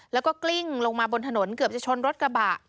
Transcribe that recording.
แล้วก็กลิ้งลงมาบนถนนเกือบจะชนรถกระบะ